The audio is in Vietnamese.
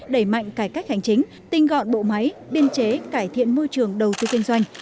đẩy mạnh cải cách hành chính tinh gọn bộ máy biên chế cải thiện môi trường đầu tư kinh doanh